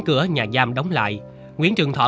cửa nhà giam đóng lại nguyễn trường thọ